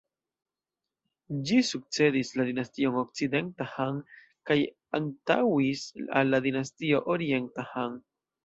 Ĝi sukcedis la Dinastion Okcidenta Han kaj antaŭis al la Dinastio Orienta Han.